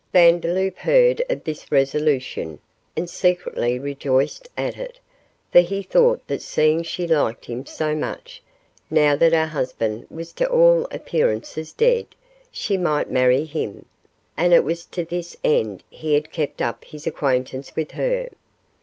Vandeloup heard of this resolution, and secretly rejoiced at it, for he thought that seeing she liked him so much, now that her husband was to all appearances dead, she might marry him, and it was to this end he had kept up his acquaintance with her.